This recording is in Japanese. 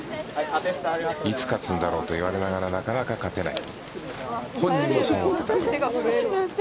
いつ勝つんだろうと言われながらなかなか勝てない。